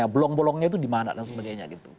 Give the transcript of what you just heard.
belong belongnya itu dimana dan sebagainya gitu